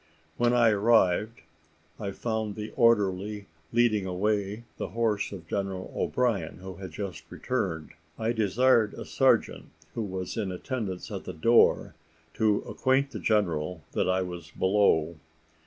When I arrived, I found the orderly leading away the horse of General O'Brien, who had just returned. I desired a serjeant, who was in attendance at the door, to acquaint the general that I was below.